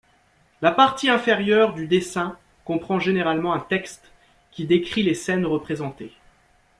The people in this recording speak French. La partie inférieure du dessin comprend généralement un texte qui décrit les scènes représentées.